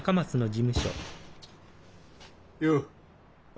よう！